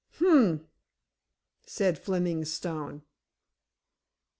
"Humph!" said Fleming Stone.